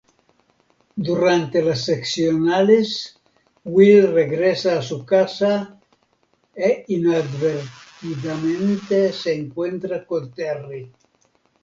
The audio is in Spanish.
Durante las Seccionales, Will regresa a su casa e inadvertidamente se encuentra con Terri.